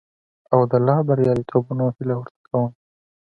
او د لا برياليتوبونو هيله ورته کوم.